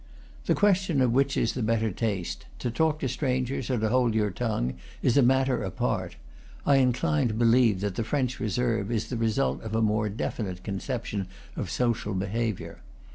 The question of which is the better taste, to talk to strangers or to hold your tongue, is a matter apart; I incline to believe that the French reserve is the result of a more definite con ception of social behavior.